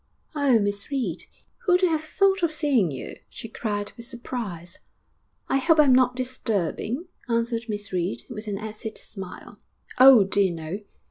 'Oh, Miss Reed! Who'd have thought of seeing you?' she cried with surprise. 'I hope I'm not disturbing,' answered Miss Reed, with an acid smile. 'Oh, dear no!'